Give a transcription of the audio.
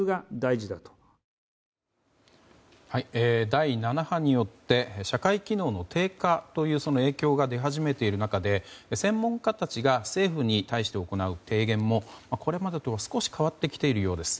第７波によって社会機能の低下という影響が出始めている中で専門家たちが政府に対して行う提言もこれまでとは少し変わってきているようです。